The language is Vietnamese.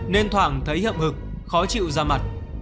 nên thoảng thấy hợp hực khó chịu ra mặt